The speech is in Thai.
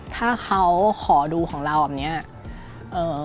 ถ้าเขาขอดูของเราแบบนี้